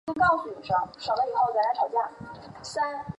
热基蒂巴是巴西米纳斯吉拉斯州的一个市镇。